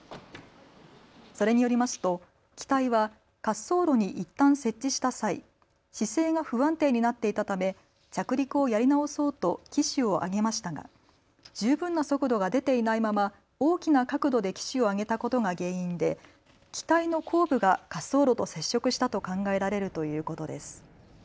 それによりますと機体は滑走路にいったん接地した際、姿勢が不安定になっていたため着陸をやり直そうと機首を上げましたが十分な速度が出ていないまま大きな角度で機首を上げたことが原因で機体の後部が滑走路と接触したと考えられるということです。